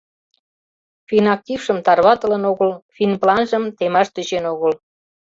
Финактившым тарватылын огыл, финпланжым темаш тӧчен огыл.